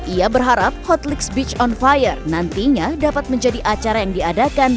ia berharap hotlix beach on fire nantinya dapat menjadi acara yang diadakan